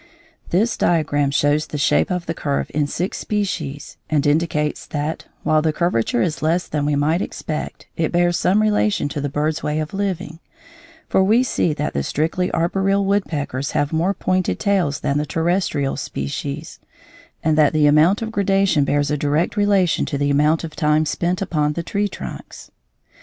This diagram shows the shape of the curve in six species, and indicates that, while the curvature is less than we might expect, it bears some relation to the bird's way of living; for we see that the strictly arboreal woodpeckers have more pointed tails than the terrestrial species, and that the amount of gradation bears a direct relation to the amount of time spent upon the tree trunks.